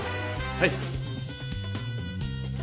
はい！